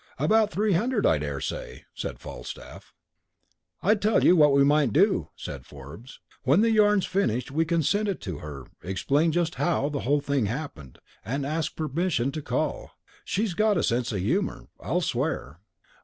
"About three hundred, I dare say," said Falstaff. "I tell you what we might do," said Forbes. "When the yarn's finished we can send it to her, explain just how the whole thing happened, and ask permission to call. She's got a sense of humour, I'll swear!"